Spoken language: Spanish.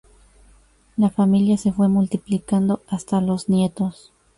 La familia se fue multiplicando hasta los nietos..